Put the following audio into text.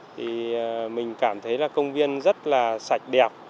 thì mình cảm thấy là công viên rất là sạch đẹp